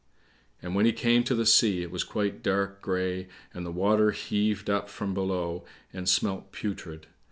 And when he came to the sea, it was quite dark grey, and the water heaved up from below, and smelt putrid.